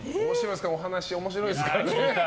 お話、面白いでしょうね。